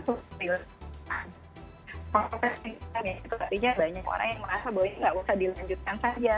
nah itu artinya banyak orang yang merasa bahwa ini nggak usah dilanjutkan saja